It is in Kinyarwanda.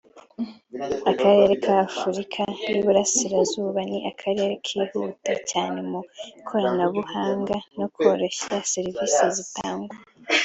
Akarere ka Afurika y’Iburasirazuba ni akarere kihuta cyane mu ikoranabuhanga no koroshya serivisi zitangwa